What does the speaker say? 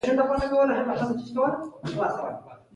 نوشیروان یو ډېر عادل واکمن و باید بشپړ شي.